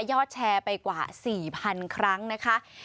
แชร์ไปกว่า๔๐๐๐ครั้งนะคะ